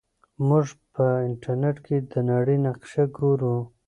موږ په انټرنیټ کې د نړۍ نقشه ګورو.